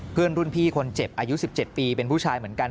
เพื่อนรุ่นพี่คนเจ็บอายุ๑๗ปีเป็นผู้ชายเหมือนกัน